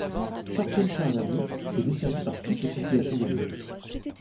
Charpennes - Charles Hernu est desservie par toutes les circulations des lignes.